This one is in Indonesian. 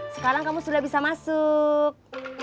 sekarang kamu sudah bisa masuk